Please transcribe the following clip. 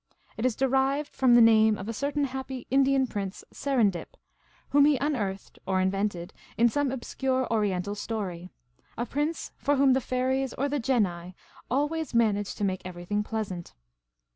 " It is derived from the name oi ertain happy Indian Prince Serendip, whom he unearthed (or invented) in some obscure Oriental story ; a prince for whom the fairies or the genii always managed to make everything pleasant.